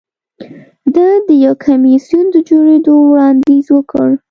ده د یو کمېسیون د جوړېدو وړاندیز وکړ